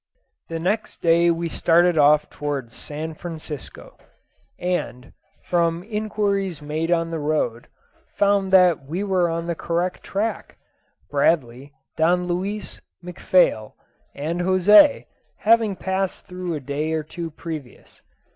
The next day we started off towards San Francisco, and, from inquiries made on the road, found that we were on the correct track Bradley, Don Luis, McPhail, and José, having passed through a day or two previous.